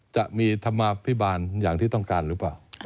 จะมีธรรมาภิบาลอย่างที่ต้องการหรือเปล่า